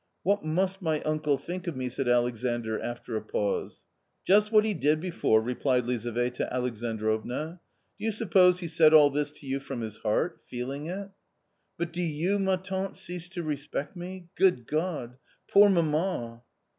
" What must my uncle think of me ?" said Alexandr after a pause. " Just what he did before," replied Lizaveta Alexandrovna. " Do you suppose he said all this to you from his heart — feeling it ?"" But do you, ma tante, cease to respect me ? Good God ! poor mamma